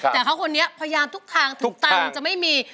แต่เขาคนนี้พยายามทุกทางทุกตังค์จะไม่มี